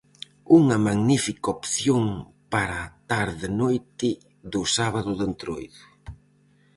Unha magnífica opción para a tarde-noite do sábado de Entroido.